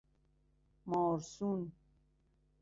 مارثون